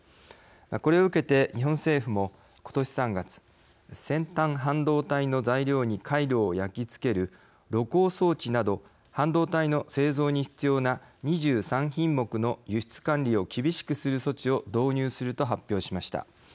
これを受けて日本政府も今年３月先端半導体の材料に回路を焼き付ける露光装置など半導体の製造に必要な２３品目の輸出管理を厳しくする措置を導入すると発表しました。